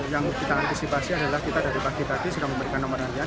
yang kita antisipasi adalah kita dari pagi tadi sudah memberikan nomor antrian